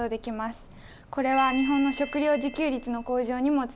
これは日本の食料自給率の向上にもつながると言えます。